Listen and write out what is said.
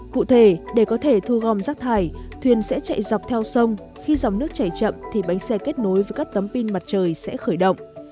cụ thể để có thể thu gom rác thải thuyền sẽ chạy dọc theo sông khi dòng nước chảy chậm thì bánh xe kết nối với các tấm pin mặt trời sẽ khởi động